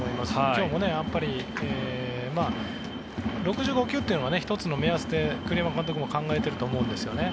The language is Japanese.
今日も６５球というのは１つの目安で栗山監督も考えていると思うんですよね。